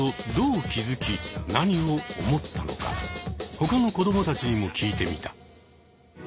他の子どもたちにも聞いてみた。